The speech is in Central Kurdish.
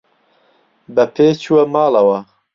بە پێ چووە ماڵەوە.